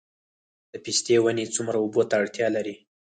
د پستې ونې څومره اوبو ته اړتیا لري؟